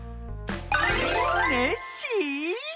ネッシー？